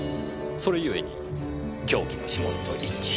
それ故に凶器の指紋と一致した。